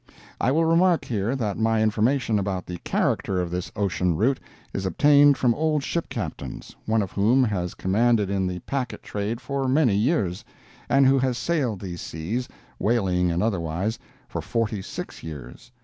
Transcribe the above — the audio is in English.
I will remark here that my information about the character of this ocean route is obtained from old ship captains, one of whom has commanded in the packet trade for many years, and who has sailed these seas, whaling and otherwise, for forty six years.